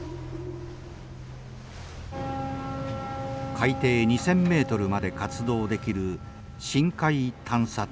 海底２，０００ｍまで活動できる深海探査艇。